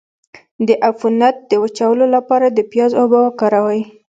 د عفونت د وچولو لپاره د پیاز اوبه وکاروئ